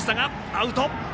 アウト。